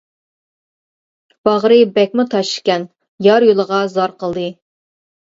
باغرى بەكمۇ تاش ئىكەن، يار يولىغا زار قىلدى.